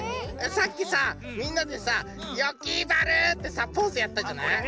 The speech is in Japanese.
さっきさみんなでさ「よきまる！」ってポーズやったじゃない。